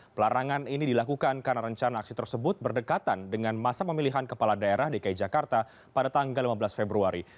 pelarangan ini dilakukan karena rencana aksi tersebut berdekatan dengan masa pemilihan kepala daerah dki jakarta pada tanggal lima belas februari